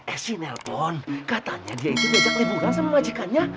esi nelpon katanya dia itu diajak liburan sama majikannya